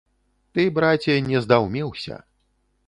Ты, браце, не здаўмеўся.